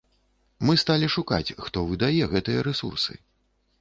Мы сталі шукаць, хто выдае гэтыя рэсурсы.